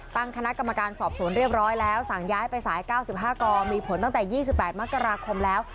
ตั้งคณะกรรมการสอบสวนเรียบร้อยแล้วสั่งย้ายไปสาย๙๕กมีผลตั้งแต่๒๘มกราคมแล้ว